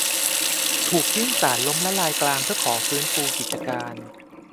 ถูกยื่นศาลล้มละลายกลางเพื่อขอฟื้นฟูกิจการ